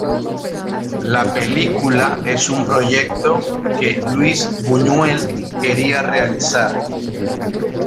La película es un proyecto que Luis Buñuel quería realizar.